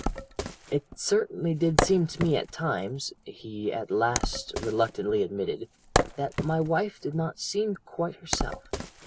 "'It certainly did seem to me at times,' he at last reluctantly admitted, 'that my wife did not seem quite herself.